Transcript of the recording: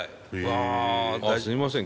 わすいません。